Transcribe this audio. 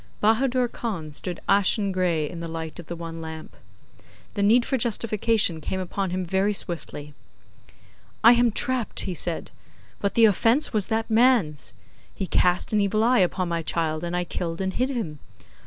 Bahadur Khan stood ashen gray in the light of the one lamp. The need for justification came upon him very swiftly. 'I am trapped,' he said, 'but the offence was that man's. He cast an evil eye upon my child, and I killed and hid him.